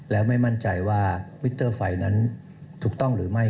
แล้วไม่มั่นใจว่าวิเตอร์ไฟนั้นถูกต้องหรือไม่